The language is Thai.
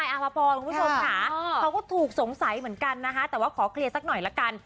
อาภพรคุณผู้ชมค่ะเขาก็ถูกสงสัยเหมือนกันนะคะแต่ว่าขอเคลียร์สักหน่อยละกัน